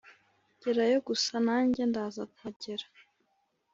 gerayo gusa nange ndaza kuhagera"